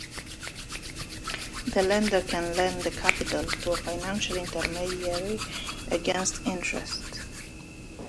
The lender can lend the capital to a financial intermediary against interest.